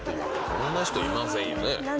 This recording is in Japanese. そんな人いませんよね。